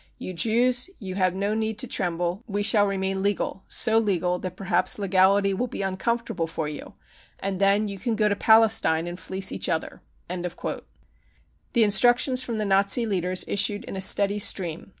You Jews, you have no need to tremble, we shall remain legal, so legal that perhaps legality will be uncomfortable for you, and then you can go to Palestine and fleece each other." The instructions from the Nazi leaders issued in a steady stream.